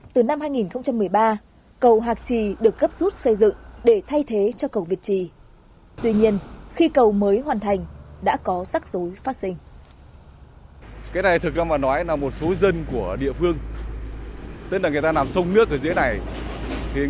từ năm hai nghìn một mươi ba cầu hạc trì được cấp rút xây dựng để thay thế cho cầu việt trì